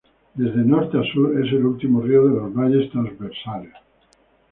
Desde norte a sur, es el último río de los valles transversales.